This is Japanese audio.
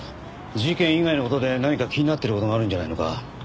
事件以外の事で何か気になっている事があるんじゃないのか？